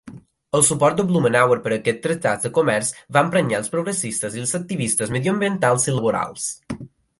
El suport de Blumenauer per a aquests tractats de comerç va emprenyar els progressistes i els activistes mediambientals i laborals.